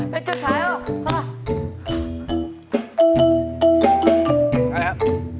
ไปจุดท้ายล่ะ